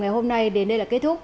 ngày hôm nay đến đây là kết thúc